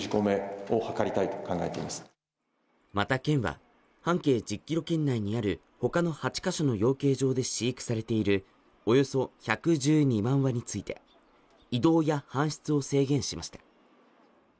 また、県は、半径１０ｋｍ圏内にある他の８か所の養鶏場で飼育されているおよそ１１２万羽について移動や搬出を制限しました。